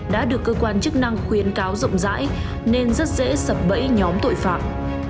đã được cơ quan chức năng khuyến cáo rộng rãi nên rất dễ sập bẫy nhóm tội phạm